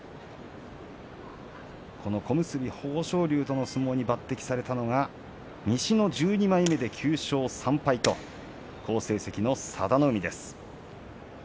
小結豊昇龍との相撲に抜てきされたのが西の１２枚目９勝３敗と好成績の佐田の海です。